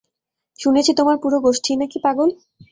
শুনেছি তোমার পুরো গোষ্ঠীই নাকি পাগল?